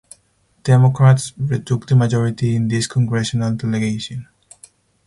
Democrats retook the majority in this congressional delegation.